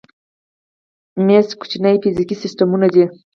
میمز کوچني فزیکي سیسټمونه دي.